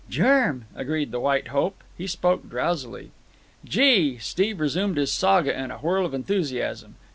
"Germ," agreed the White Hope. He spoke drowsily. "Gee!" Steve resumed his saga in a whirl of enthusiasm.